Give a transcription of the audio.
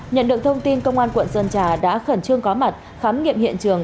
nhận được thông tin công an quận sơn trà đã khẩn trương có mặt khám nghiệm hiện trường